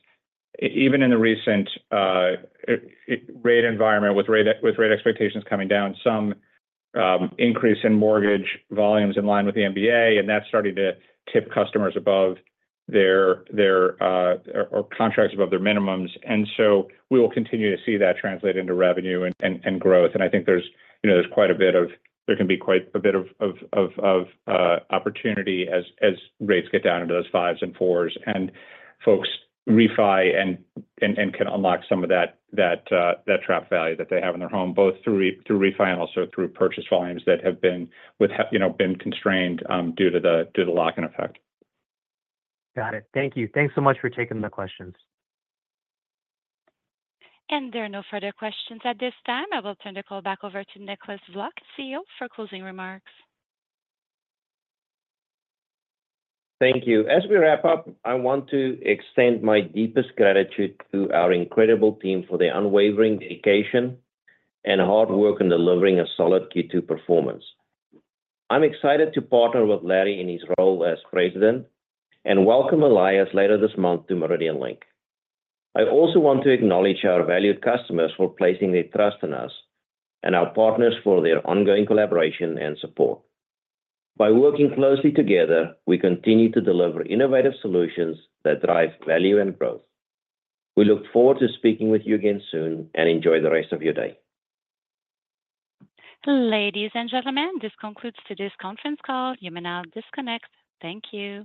rate environment with rate expectations coming down, some increase in mortgage volumes in line with the MBA, and that's starting to tip customers above their or contracts above their minimums. And so we will continue to see that translate into revenue and growth. I think, you know, there can be quite a bit of opportunity as rates get down into those fives and fours, and folks refi and can unlock some of that trapped value that they have in their home, both through refi and also through purchase volumes that have been, you know, constrained due to the lock-in effect. Got it. Thank you. Thanks so much for taking the questions. There are no further questions at this time. I will turn the call back over to Nicolaas Vlok, CEO, for closing remarks. Thank you. As we wrap up, I want to extend my deepest gratitude to our incredible team for their unwavering dedication and hard work in delivering a solid Q2 performance. I'm excited to partner with Larry in his role as president and welcome Elias later this month to MeridianLink. I also want to acknowledge our valued customers for placing their trust in us, and our partners for their ongoing collaboration and support. By working closely together, we continue to deliver innovative solutions that drive value and growth. We look forward to speaking with you again soon, and enjoy the rest of your day. Ladies and gentlemen, this concludes today's conference call. You may now disconnect. Thank you.